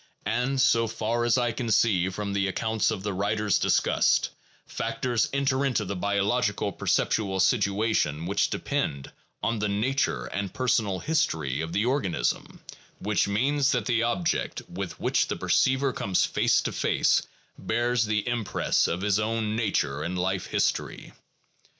And so far as I can see from the accounts of the writers discussed, factors enter into the biological perceptual situation which depend on the nature and personal history of the organism, which means that the object with which the perceiver comes face to face bears the impress of his own nature and life history.